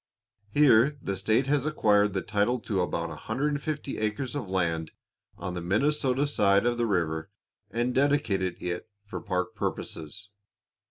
Here the state has acquired the title to about 150 acres of land on the Minnesota side of the river, and dedicated it for park purposes.